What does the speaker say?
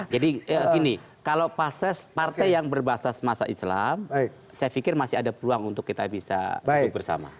jadi gini kalau pas partai yang berbasis masa islam saya pikir masih ada peluang untuk kita bisa bersama